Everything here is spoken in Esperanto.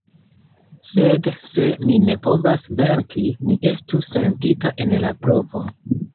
Sed se mi ne povas venki, mi estu sentima en la provo.